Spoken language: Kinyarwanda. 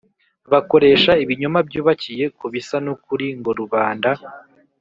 bakoresha ibinyoma by' ubakiye ku bisa n' ukuri ngo rubanda,